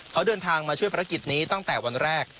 เขาเดินทางมาช่วยภารกิจนี้ตั้งแต่วันแรก